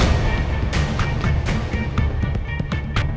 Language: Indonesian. saya benar benar nggak tahu